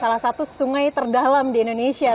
itu sungai terdalam di indonesia